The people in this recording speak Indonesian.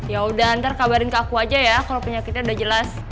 ya udah ntar kabarin ke aku aja ya kalau penyakitnya udah jelas